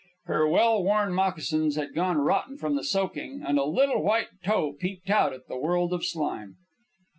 Her well worn moccasins had gone rotten from the soaking, and a little white toe peeped out at the world of slime.